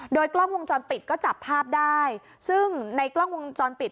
โดยกล้องวงจรปิดก็จับภาพได้ซึ่งในกล้องวงจรปิด